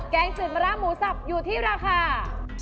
แกงจืดมะระหมูสับอยู่ที่ราคา